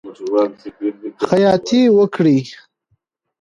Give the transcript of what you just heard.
خیاطی وکړئ.